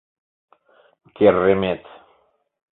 Кер-ремет!